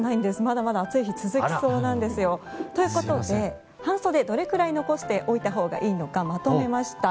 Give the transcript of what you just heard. まだまだ淳仁が続くんですよ。ということで、半袖どれくらい残してほいたほうがいいのかまとめました。